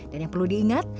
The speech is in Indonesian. dan yang perlu diingat